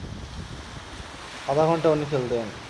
আধা ঘণ্টা উনি খেলতেন।